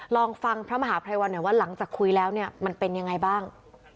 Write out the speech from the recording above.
ลองฟังพระมหาภัยวันหน่อยว่าหลังจากคุยแล้วเนี่ยมันเป็นยังไงบ้าง